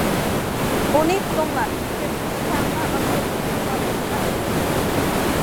‹‹ ئۇنى تۇتۇڭلار!››، كۆپچىلىك تەڭلا ئاپتوبۇسنىڭ ئارقىسىغا ئېغىشتى.